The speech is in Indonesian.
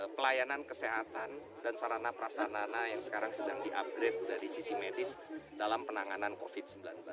pelayanan kesehatan dan sarana perasaan anak yang sekarang sedang diupgrade dari sisi medis dalam penanganan covid sembilan belas